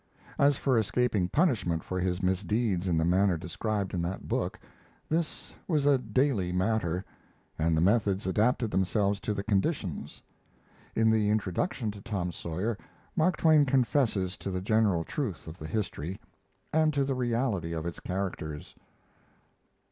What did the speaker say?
As for escaping punishment for his misdeeds in the manner described in that book, this was a daily matter, and the methods adapted themselves to the conditions. In the introduction to Tom Sawyer Mark Twain confesses to the general truth of the history, and to the reality of its characters.